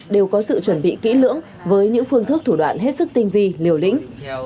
đều có sự chuẩn bị kỹ lưỡng với những phương thức thủ đoạn hết sức tinh vi liều lĩnh